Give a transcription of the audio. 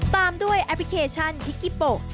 ตามด้วยแอปพลิเคชันฮิกิโปะ